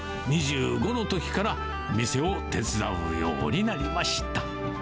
２５のときから、店を手伝うようになりました。